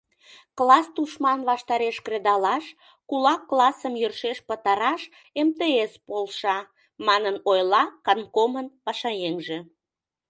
— Класс тушман ваштареш кредалаш, кулак классым йӧршеш пытараш МТС полша, — манын ойла канткомын пашаеҥже.